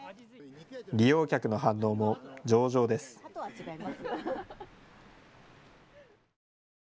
利用客の反応も上々です。